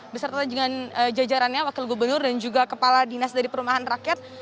beserta dengan jajarannya wakil gubernur dan juga kepala dinas dari perumahan rakyat